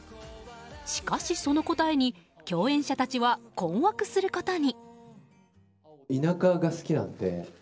しかし、その答えに共演者たちは困惑することに。